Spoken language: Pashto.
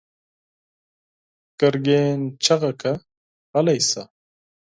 ګرګين چيغه کړه: غلی شه!